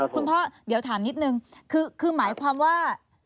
คุณพ่อเดี๋ยวถามนิดนึงคือหมายความว่า